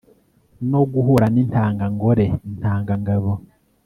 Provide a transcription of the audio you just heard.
no guhura n'intangangore intangangabo